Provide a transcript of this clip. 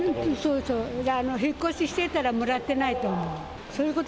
そうそう、引っ越ししてたらもらってないと思う。